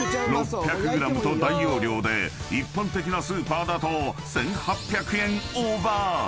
［６００ｇと大容量で一般的なスーパーだと１，８００円オーバー！］